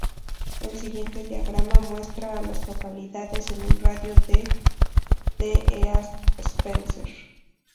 El siguiente diagrama muestra a las localidades en un radio de de East Spencer.